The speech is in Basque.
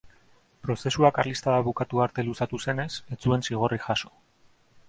Prozesua karlistada bukatu arte luzatu zenez, ez zuen zigorrik jaso.